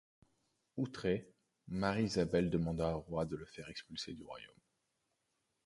Outrée, Marie-Isabelle demanda au roi de le faire expulser du royaume.